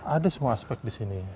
ada semua aspek di sini